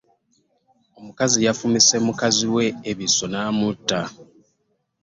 Omukazi yafumise mukaziwe ebiso namutta.